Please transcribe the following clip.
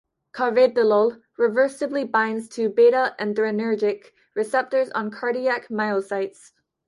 Carvedilol reversibly binds to beta adrenergic receptors on cardiac myocytes.